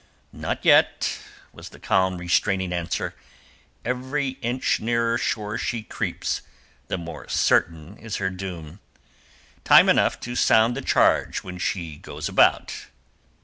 "Not yet," was the calm, restraining answer. "Every inch nearer shore she creeps the more certain is her doom. Time enough to sound the charge when she goes about.